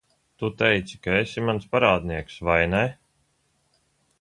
Tu teici, ka esi mans parādnieks, vai ne?